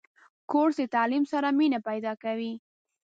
کورس د تعلیم سره مینه پیدا کوي.